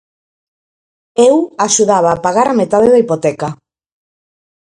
Eu axudaba a pagar a metade da hipoteca.